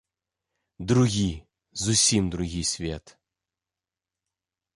Другі, зусім другі свет.